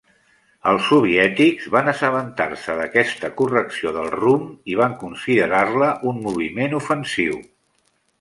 Els soviètics van assabentar-se d'aquesta correcció del rumb i van considerar-la un moviment ofensiu.